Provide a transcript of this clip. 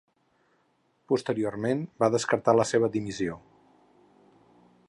Posteriorment, va descartar la seva dimissió.